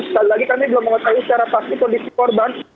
sekali lagi kami belum mengetahui secara pasti kondisi korban